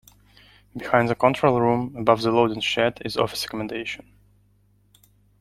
Behind the control room, above the loading shed, is office accommodation.